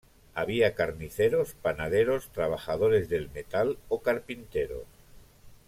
Había carniceros, panaderos, trabajadores del metal o carpinteros.